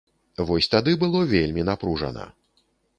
Вось тады было вельмі напружана.